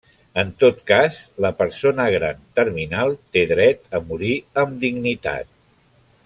En tot cas, la persona gran terminal té dret a morir amb dignitat.